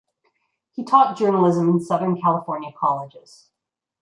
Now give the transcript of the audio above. He taught journalism in Southern California colleges.